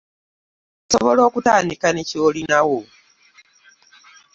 Osobola okutandika ne kyolinawo.